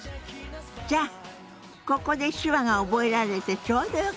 じゃあここで手話が覚えられてちょうどよかったわね。